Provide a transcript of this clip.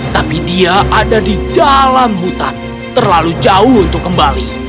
tapi dia ada di dalam hutan terlalu jauh untuk kembali